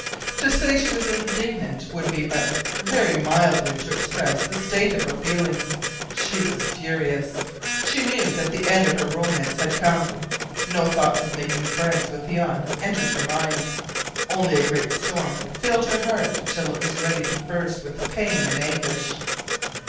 To say she was indignant would be but very mildly to express the state of her feelings; she was furious. She knew that the end of her romance had come. No thoughts of making friends with Jan entered her mind; only a great storm filled her heart till it was ready to burst with pain and anguish.